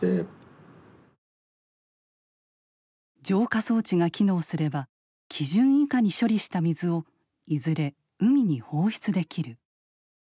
浄化装置が機能すれば基準以下に処理した水をいずれ海に放出できる。